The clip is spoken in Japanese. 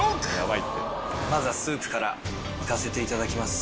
まずはスープから行かせていただきます。